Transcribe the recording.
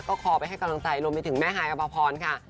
ก็คอไปให้กำลังใจรวมไปถึงแม่ฮายอภพรค่ะ